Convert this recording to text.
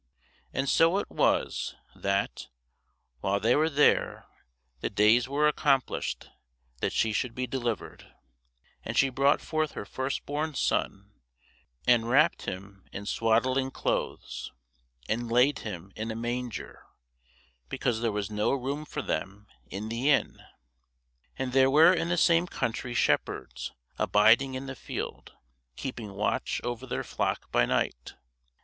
And so it was, that, while they were there, the days were accomplished that she should be delivered. And she brought forth her firstborn son, and wrapped him in swaddling clothes, and laid him in a manger; because there was no room for them in the inn. [Sidenote: St. Luke 2] And there were in the same country shepherds abiding in the field, keeping watch over their flock by night.